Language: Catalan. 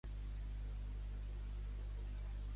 A Altura hi ha estació de tren?